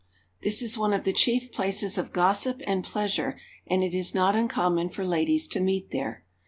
This is one of the chief places of gossip and pleasure and it is not uncommon for ladies to meet there.